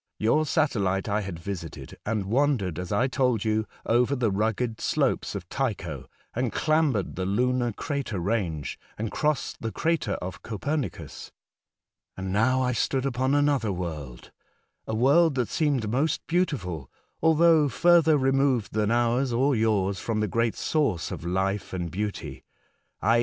Your satellite I bad visited and wandered, as I told you, over tbe rugged slopes of Tycbo, and clambered tbe lunar crater range, and crossed tbe crater of Copernicus. And now I stood upon anotber world — a world tbat seemed most beautiful, altbougb furtber removed tban ours or yours from tbe great source of life and beauty, i.e.